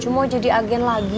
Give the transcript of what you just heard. cuk mau jadi agen lagi